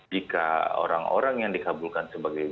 jika orang orang yang dikabulkan sebagai